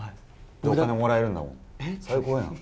お金もらえるんだもん。